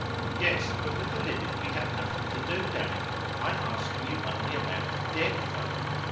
"Yes, but with the living we have nothing to do, damn it! I am asking you only about DEAD folk."